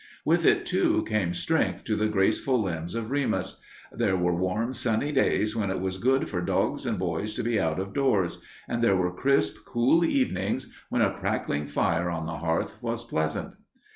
With it, too, came strength to the graceful limbs of Remus. There were warm, sunny days, when it was good for dogs and boys to be out of doors, and there were crisp, cool evenings, when a crackling fire on the hearth was pleasant.